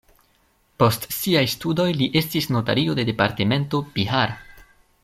Post siaj studoj li estis notario de departemento Bihar.